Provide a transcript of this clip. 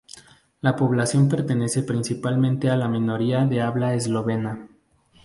La población pertenece principalmente a la minoría de habla eslovena.